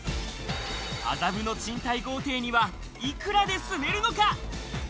麻布の賃貸豪邸には幾らで住めるのか？